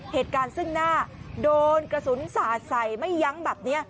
เหตุการณ์ซึ่งหน้าโดนกระสุนสาดใส่ไม่ยั้งแบบนี้